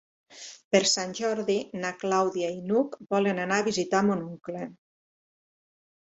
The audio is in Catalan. Per Sant Jordi na Clàudia i n'Hug volen anar a visitar mon oncle.